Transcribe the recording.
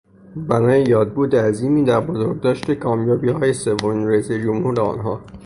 بنای یادبود عظیمی در بزرگداشت کامیابیهای سومین رئیس جمهور آنها